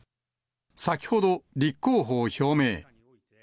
先ほど、立候補を表明。